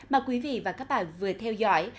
mà quý vị và các bạn vừa theo dõi